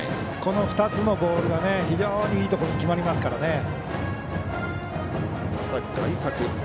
この２つのボールが非常にいいところに決まりますからね。